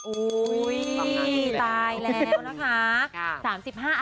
โอ๊ยตายแล้วนะคะ